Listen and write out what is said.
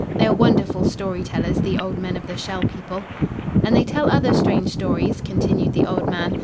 They are wonderful story tellers, the old men of the Shell People." "And they tell other strange stories," continued the old man.